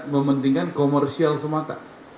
mementingkan komersial semata